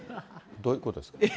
どういうことですか。